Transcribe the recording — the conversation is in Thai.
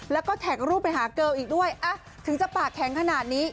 แล้วก็แท็กรูปไปหาเกิลอีกด้วยถึงจะปากแข็งขนาดนี้